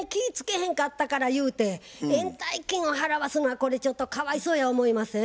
へんかったからゆうて延滞金を払わすのはこれちょっとかわいそうや思いません？